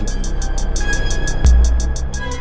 bukan karena orang ketiga